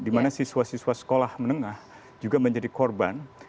dimana siswa siswa sekolah menengah juga menjadi korban